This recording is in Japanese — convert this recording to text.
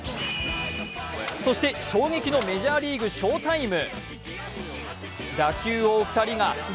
そして衝撃のメジャーリーグ翔タイム。